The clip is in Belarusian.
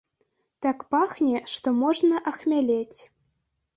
Так пахне, што можна ахмялець.